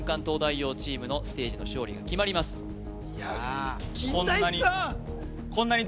東大王チームのステージの勝利が決まります金田一さん